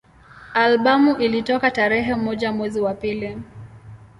Albamu ilitoka tarehe moja mwezi wa pili